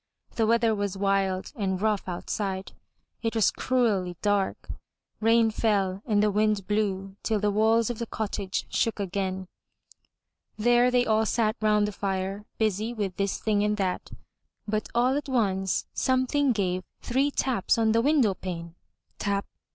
The weather was wild and rough outside; it was cruelly dark; rain fell and the wind blew till the walls of the cottage shook again. There they all sat round the fire, busy with this thing and that. But all at once, something gave three taps on the window pane — tap!